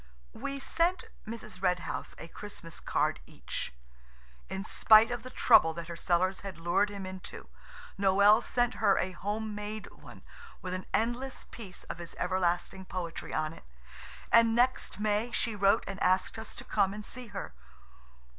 We sent Mrs. Red House a Christmas card each. In spite of the trouble that her cellars had lured him into, Noël sent her a home made one with an endless piece of his everlasting poetry on it, and next May she wrote and asked us to come and see her.